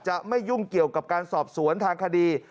ไม่ยุ่งเกี่ยวกับการสอบสวนทางคดี